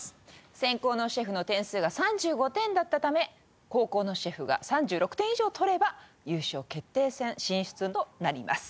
先攻のシェフの点数が３５点だったため後攻のシェフが３６点以上取れば優勝決定戦進出となります